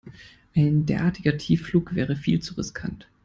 Ein derartiger Tiefflug wäre viel zu riskant.